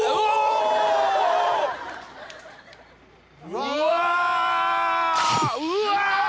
うわ！